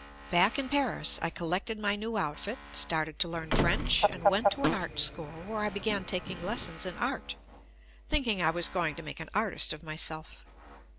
Back in Paris, I collected my new outfit, started to learn French, and went to an art school where I began taking lessons in art, thinking I was going to make an artist of my self.